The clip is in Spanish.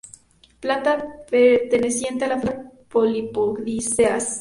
Planta perteneciente a la familia Polypodiaceae.